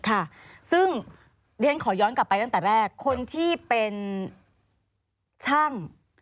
ค่ะซึ่งเรียนขอย้อนกลับไปตั้งแต่แรกคนที่เป็นช่าง